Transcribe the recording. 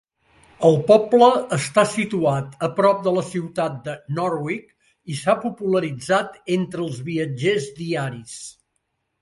El poble està situat a prop de la ciutat de Norwich i s'ha popularitzat entre els viatgers diaris.